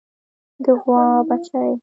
د غوا بچۍ